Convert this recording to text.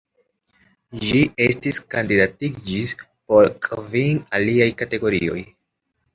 Ĝi estis kandidatiĝis por kvin aliaj kategorioj.